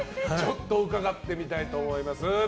伺ってみようと思います。